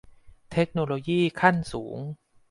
เทคโนโลยีขั้นสูง